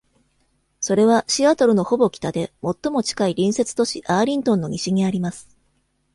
それはシアトルのほぼ北で、最も近い隣接都市アーリントンの西にあります。